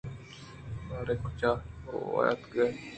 باریں چہ لوگ ءَ اتک کہ ناں